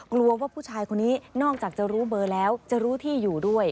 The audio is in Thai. กลัวว่าผู้ชายคนนี้นอกจากจะรู้เบอร์แล้วจะรู้ที่อยู่ด้วย